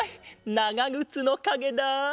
ながぐつのかげだ。